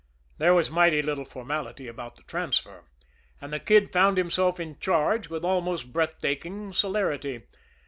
There was mighty little formality about the transfer, and the Kid found himself in charge with almost breathtaking celerity.